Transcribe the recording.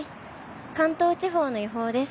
関東地方の予報です。